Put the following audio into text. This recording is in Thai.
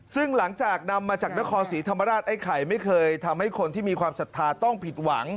ซึ่งหลังจากนำมาจากนครศรีธรรมราชไอ้ไข่ไม่เคยทำให้คนที่มีความศรัทธาต้องผิดหวัง